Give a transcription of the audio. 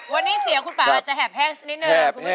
วันนี้เสียงคุณป่าอาจจะแหบแห้งสักนิดนึงคุณผู้ชม